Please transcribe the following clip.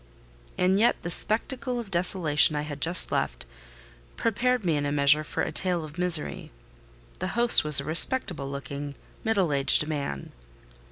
And yet the spectacle of desolation I had just left prepared me in a measure for a tale of misery. The host was a respectable looking, middle aged man.